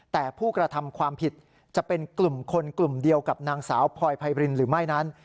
แต่ผู้กระทำความผิดจะเป็นกลุ่มคนกลุ่มเดียวกับนางสาวพลอยไพรินหรือไม่นั้น